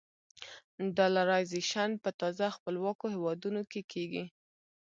ډالرایزیشن په تازه خپلواکو هېوادونو کې کېږي.